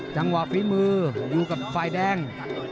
ฝีมืออยู่กับฝ่ายแดง